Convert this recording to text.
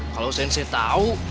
kalau sensei tau